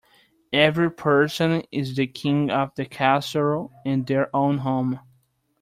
Every person is the king of the castle in their own home.